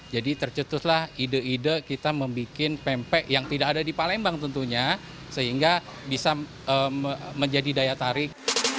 jadi tercetuslah ide ide kita membuat pempek yang tidak ada di palembang tentunya sehingga bisa menjadi daya tarik